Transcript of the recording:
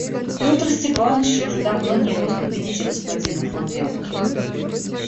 Петр Степанович уже давно не был в кабинете господина фон Лембке.